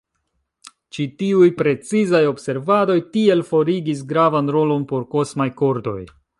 Ĉi-tiuj precizaj observadoj tiel forigis gravan rolon por kosmaj kordoj.